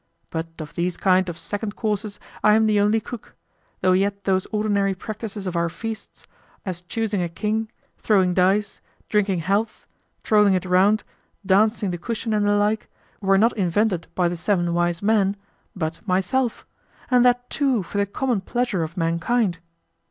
But of these kind of second courses I am the only cook; though yet those ordinary practices of our feasts, as choosing a king, throwing dice, drinking healths, trolling it round, dancing the cushion, and the like, were not invented by the seven wise men but myself, and that too for the common pleasure of mankind.